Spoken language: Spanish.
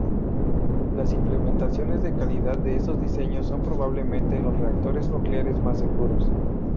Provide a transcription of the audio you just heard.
Las implementaciones de calidad de estos diseños son probablemente los reactores nucleares más seguros.